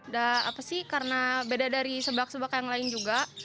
nah apa sih karena beda dari seblak seblak yang lain juga